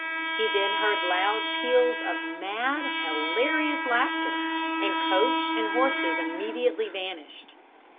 He then heard loud peals of mad, hilarious laughter, and coach and horses immediately vanished.